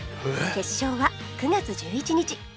決勝は９月１１日